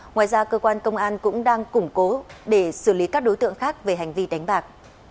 ngoài ra cơ quan công an cũng đang củng cố để xử lý các đối tượng khác về hành vi đánh bạc